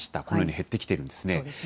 このように減ってきているんですね。